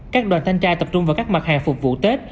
các đoàn thanh tra tập trung vào các mặt hàng phục vụ tết